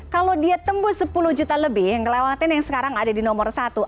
kalau dia tembus sepuluh juta lebih yang ngelewatin yang sekarang ada di nomor satu